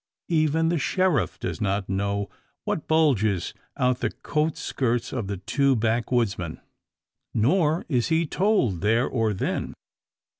Even the sheriff does not know what bulges out the coat skirts of the two backwoodsmen. Nor is he told there or then.